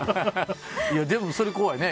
でも、それ怖いね。